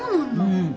うん。